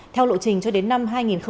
theo lộ trình cho đến năm hai nghìn hai mươi